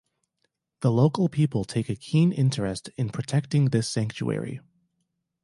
The local people take a keen interest in protecting this sanctuary.